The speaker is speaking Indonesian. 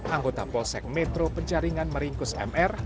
anggota polsek metro penjaringan meringkus mr